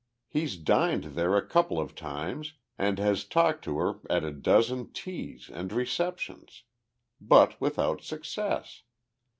She's dined there a couple of times and has talked to her at a dozen teas and receptions. But without success.